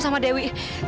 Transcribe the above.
sampai ketemu sama dewi